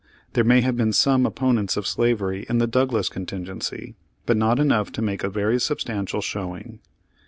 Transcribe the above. There may have been some op ponents of slavery in the Douglas contingency, but not enough to make a very substantial show ing.